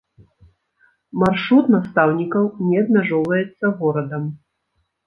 Маршрут настаўнікаў не абмяжоўваецца горадам.